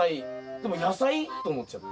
でも野菜？と思っちゃって。